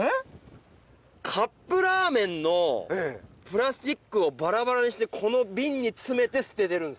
カップラーメンのプラスチックをバラバラにしてこの瓶に詰めて捨ててるんですわ。